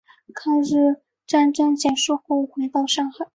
抗日战争结束后回到上海。